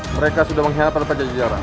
mereka sudah mengkhianatkan pada jajaran